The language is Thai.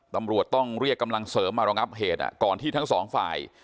ตำรวจต้องเรียกกำลังเสริมมารองับเหตุก่อนที่ทั้งสองฝ่าย